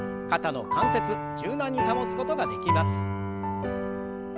肩の関節柔軟に保つことができます。